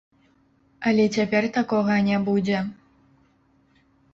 Але цяпер такога не будзе.